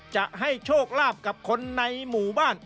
จะให้โชคลาภกับคนในหมู่บ้าน